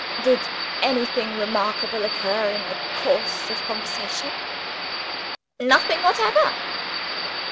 "Did anything remarkable occur in the course of conversation?" "Nothing whatever."